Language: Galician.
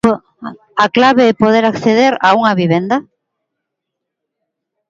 A clave é poder acceder a unha vivenda?